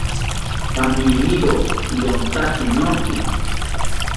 ¡Pamiomiro ironta jenoki!